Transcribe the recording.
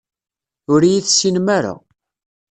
Ur iyi-tessinem ara.